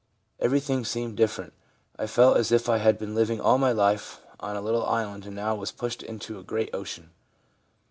Everything seemed different ; I felt as if I had been living all my life on a little island and now was pushed off into a great ocean.